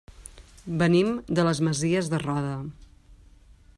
Venim de les Masies de Roda.